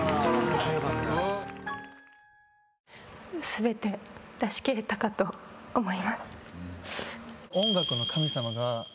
全て出し切れたかと思います。